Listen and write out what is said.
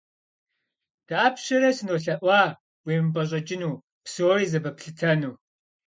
Дапщэрэ сынолъэӀуа уемыпӀэщӀэкӀыну, псори зэпэплъытэну?